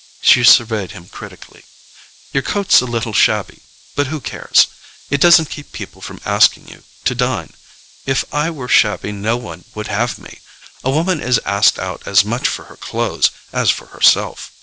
She surveyed him critically. "Your coat's a little shabby—but who cares? It doesn't keep people from asking you to dine. If I were shabby no one would have me: a woman is asked out as much for her clothes as for herself.